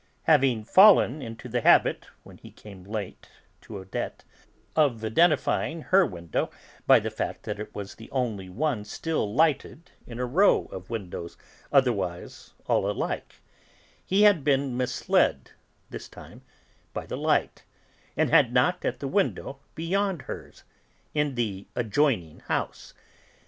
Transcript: Having fallen into the habit, When he came late to Odette, of identifying her window by the fact that it was the only one still lighted in a row of windows otherwise all alike, he had been misled, this time, by the light, and had knocked at the window beyond hers, in the adjoining house.